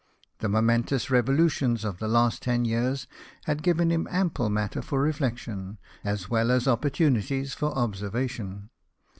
The momentous revolutions of the last ten years had given him ample matter for reflection, as well as opportunities for observation.